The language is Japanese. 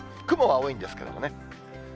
雲は多いんですけれどもね。